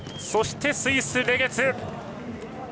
そしてスイスのレゲツ。